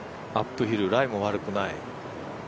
アップヒル、ライも悪くない。